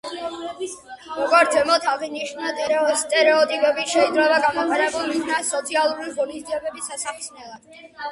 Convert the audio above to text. როგორც ზემოთ აღინიშნა, სტერეოტიპები შეიძლება გამოყენებულ იქნას, სოციალური ღონისძიებების ასახსნელად.